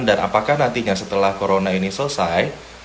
dan apakah nantinya setelah corona ini selesai